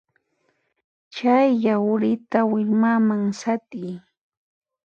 Chay yawrita willmaman sat'iy.